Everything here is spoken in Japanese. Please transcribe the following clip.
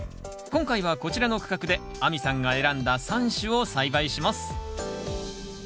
今回はこちらの区画で亜美さんが選んだ３種を栽培します。